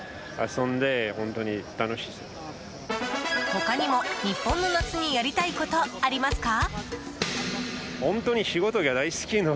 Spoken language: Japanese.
他にも日本の夏にやりたいことありますか？